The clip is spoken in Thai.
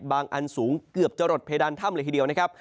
อันสูงเกือบจะหลดเพดานถ้ำเลยทีเดียวนะครับ